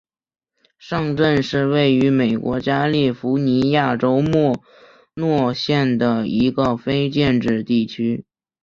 上镇是位于美国加利福尼亚州莫诺县的一个非建制地区。